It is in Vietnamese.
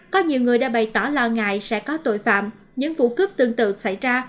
có nhiều người đã bày tỏ lo ngại sẽ có tội phạm những vụ cướp tương tự xảy ra